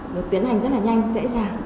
được tiến hành rất là nhanh dễ dàng